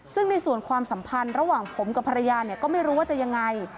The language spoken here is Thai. ซึ่งในส่วนความสัมพันธ์ระหว่างผมกับภรรยาก็ไม่รู้ว่าจะยังไง